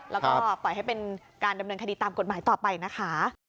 แล้วก็ปล่อยให้เป็นการดำเนินคดีตามกฎหมายต่อไปนะคะ